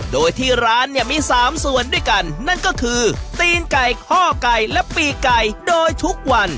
โดยที่ร้านเนี่ยมี๓ส่วนด้วยกันนั่นก็คือตีนไก่ข้อไก่และปีกไก่โดยทุกวัน